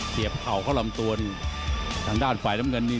เข่าเข้าลำตัวนี่ทางด้านฝ่ายน้ำเงินนี่